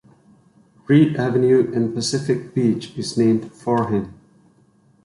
Reed Avenue in Pacific Beach is named for him.